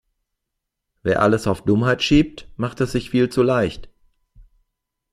Wer alles auf Dummheit schiebt, macht es sich viel zu leicht.